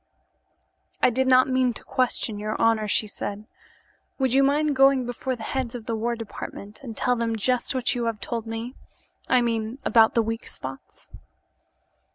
"I did not mean to question your honor," she said. "Would you mind going before the heads of the war department and tell them just what you have told me? I mean about the weak spots."